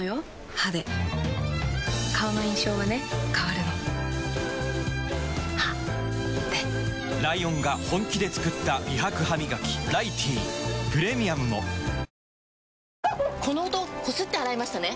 歯で顔の印象はね変わるの歯でライオンが本気で作った美白ハミガキ「ライティー」プレミアムもこの音こすって洗いましたね？